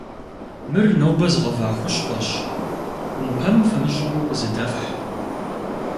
Мыр нобэ згъэва хущхъуэщ, Ӏумпэм фымыщӀу зыдэфхь.